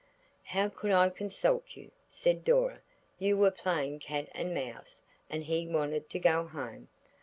"How could I consult you?" said Dora; "you were playing Cat and Mouse, and he wanted to get home.